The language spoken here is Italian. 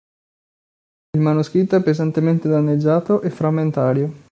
Il manoscritto è pesantemente danneggiato e frammentario.